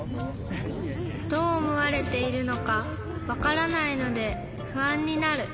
どうおもわれているのかわからないのでふあんになる。